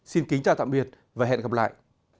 xin kính chào tạm biệt và hẹn gặp lại